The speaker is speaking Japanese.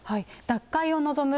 脱会を望む